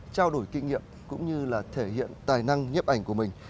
trao đổi kinh nghiệm cũng như là thể hiện tài năng nhiếp ảnh của mình